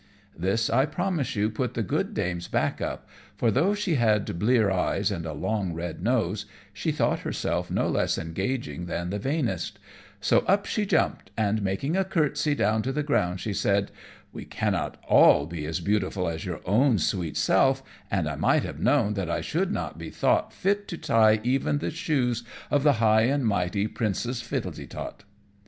This, I promise you, put the good dame's back up; for though she had blear eyes, and a long red nose, she thought herself no less engaging than the vainest; so up she jumped, and making a courtesy down to the ground, she said "We cannot all be as beautiful as your own sweet self, and I might have known that I should not be thought fit to tie even the shoes of the high and mighty Princess Fittletetot."